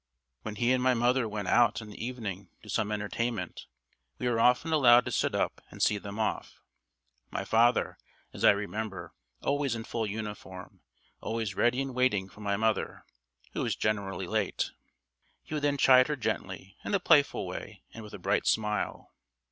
When he and my mother went out in the evening to some entertainment, we were often allowed to sit up and see them off; my father, as I remember, always in full uniform, always ready and waiting for my mother, who was generally late. He would then chide her gently, in a playful way and with a bright smile.